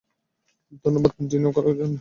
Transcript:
ধন্যবাদ ডিনার করার সুযোগ দেওয়ার জন্য।